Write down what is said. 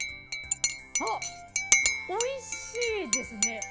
あっ美味しいですね。